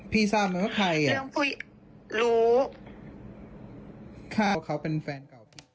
พี่ทราบไหมว่าใครเนี่ยเรื่องผู้ใหญ่รู้